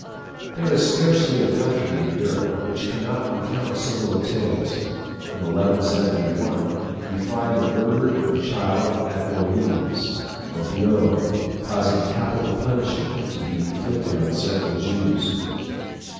There is scarcely a country in Europe which cannot recount similar tales. In 1171, we find the murder of a child at Orleans, or Blois, causing capital punishment to be inflicted on several Jews.